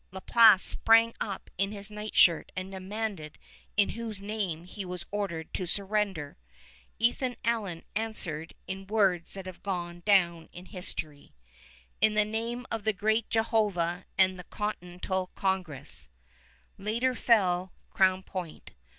La Place sprang up in his nightshirt and demanded in whose name he was ordered to surrender. Ethan Allen answered in words that have gone down to history, "In the name of the Great Jehovah and the Continental Congress." Later fell Crown Point.